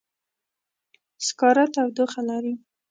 سکاره تودوخه لري.